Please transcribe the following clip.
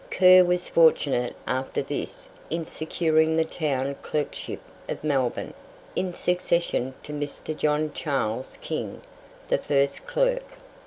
Kerr was fortunate after this in securing the town clerkship of Melbourne, in succession to Mr. John Charles King, the first clerk.